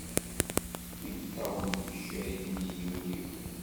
Imeṭṭawen-ik cerrgen-iyi ul-iw!